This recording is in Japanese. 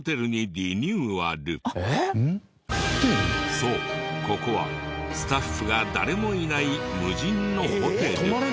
そうここはスタッフが誰もいない無人のホテル。